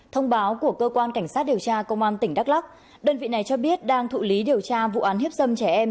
thông báo của cơ quan cảnh sát điều tra công an tỉnh đắk lắc đơn vị này cho biết đang thụ lý điều tra vụ án hiếp dâm trẻ em